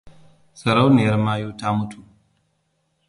Sarauniyar mayu ta mutu.